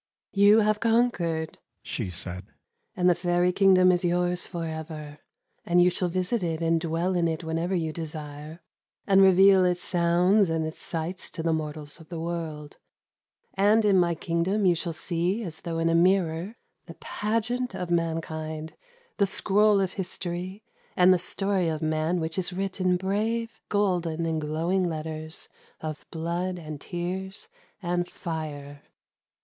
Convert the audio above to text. "You have conquered," she said, "and the faery kingdom is yours for ever, and you shall visit it and dwell in it whenever you desire, and reveal its sounds and its sights to the mortals of the world: and in my kingdom you shall see, as though in a mirror, the pageant of mankind, the scroll of history, and the story of man which is writ in brave, golden and glowing letters, of blood and tears and fire.